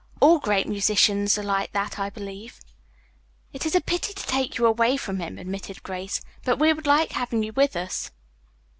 All great musicians are like that, I believe." "It is a pity to take you away from him," admitted Grace, "but we would like to have you with us.